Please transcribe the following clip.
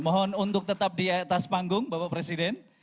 mohon untuk tetap di atas panggung bapak presiden